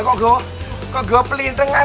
tidak kok gue pelintingan